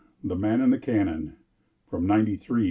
THE MAN AND THE CANNON (From Ninety Three.)